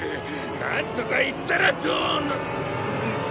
なんとか言ったらどうなんだ！？